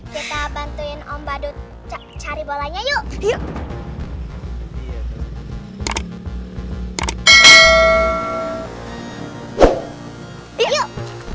kita bantuin om badut cari bolanya yuk yuk